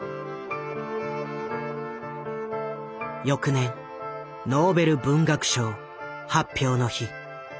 翌年ノーベル文学賞発表の日。